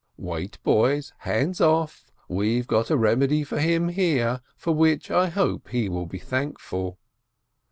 "Wait, boys! Hands off! We've got a remedy for him here, for which I hope he will be thankful."